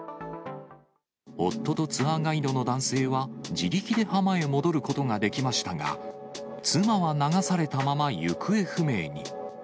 夫とツアーガイドの男性は、自力で浜へ戻ることができましたが、妻は流されたまま行方不明に。